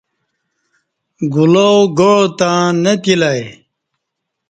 گلاو گاع تں نہ تِلہ ای